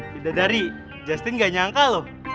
bidadari justin gak nyangka loh